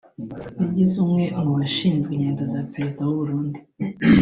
yagizwe umwe mu bashinzwe ingendo za Perezida w’Uburundi